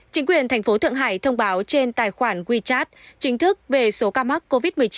chính quyền thành phố thượng hải thông báo trên tài khoản wechat chính thức về số ca mắc covid một mươi chín